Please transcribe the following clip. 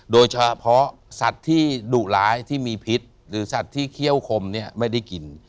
โดยเฉพาะสัตว์ที่ดุร้ายที่มีพิษหรือสัตว์ที่เขี้ยวคมเนี่ยไม่ได้กิน